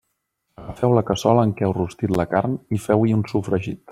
Agafeu la cassola en què heu rostit la carn i feu-hi un sofregit.